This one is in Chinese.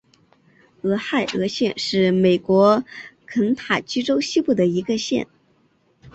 俄亥俄县是美国肯塔基州西部的一个县。